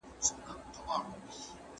سياسي مبارزه کله کله ډېره سخته وي.